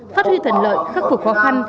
phát huy thần lợi khắc phục khó khăn